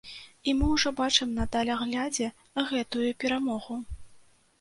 І мы ўжо бачым на даляглядзе гэтую перамогу.